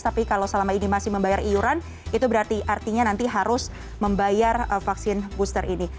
tapi kalau selama ini masih membayar iuran itu berarti artinya nanti harus membayar vaksin booster ini